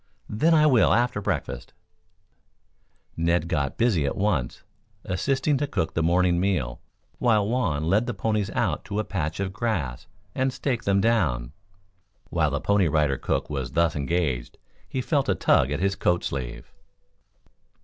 "Then, I will after breakfast." Ned got busy at once, assisting to cook the morning meal, while Juan led the ponies out to a patch of grass and staked them down. While the Pony Rider cook was thus engaged, he felt a tug at his coat sleeve.